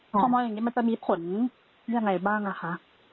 อ๋อข้อมูลอย่างนี้มันจะมีผลยังไงบ้างล่ะคะ